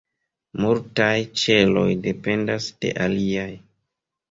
Multaj ĉeloj dependas de aliaj.